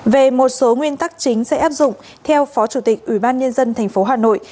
về một số nguyên tắc chính sẽ áp dụng theo phó chủ tịch ubnd tp hà nội